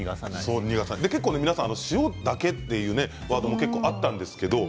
皆さん塩だけ？というワードもあったんですけれど。